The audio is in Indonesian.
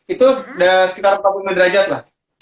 itu sekitar empat puluh lima derajat lah